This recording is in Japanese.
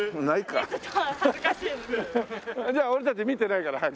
じゃあ俺たち見てないから早く。